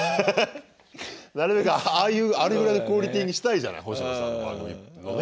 なるべくああいうあれぐらいのクオリティーにしたいじゃない星野さんの番組のね。